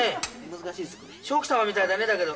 難しいですこれ。